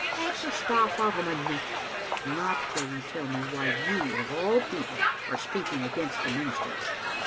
" Take your staff out o' my neck." "Not till you tell me why you, of all people, are speaking against the minister."